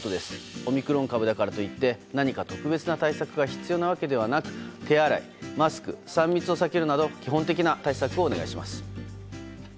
オミクロン株だからといって何か特別な対策が必要なわけではなく手洗いマスク３密を避けるなど基本的な対策をお願いします。